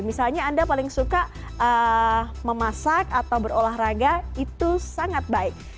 misalnya anda paling suka memasak atau berolahraga itu sangat baik